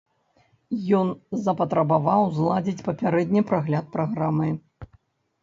Ён запатрабаваў зладзіць папярэдні прагляд праграмы.